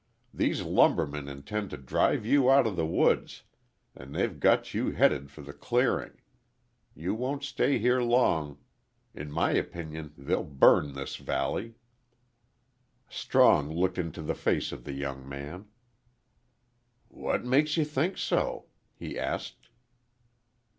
These lumbermen intend to drive you out of the woods, and they've got you headed for the clearing. You won't stay here long. In my opinion they'll burn this valley." Strong looked into the face of the young man. "What makes ye think so?" he asked.